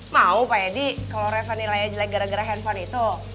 mau pak edi kalo reva nilainya jelek gara gara handphone itu